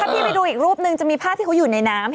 ไม่ถ้าพี่ไปดูอีกรูปหนึ่งจะมีผ้าที่เขาอยู่ในน้ำ